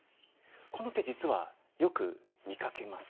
この手実はよく見かけます。